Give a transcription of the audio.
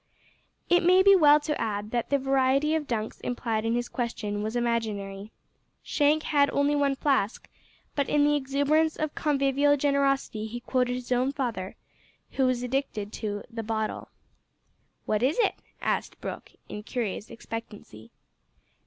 It may be well to add that the variety of dunks implied in his question was imaginary. Shank had only one flask, but in the exuberance of convivial generosity he quoted his own father who was addicted to "the bottle." "What is it?" asked Brooke, in curious expectancy.